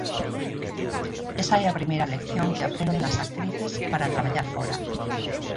Esa é a primeira lección que aprenden as actrices para traballar fóra.